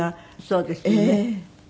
そうですよね。